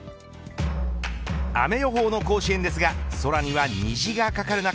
雨予報の甲子園ですが空には虹がかかる中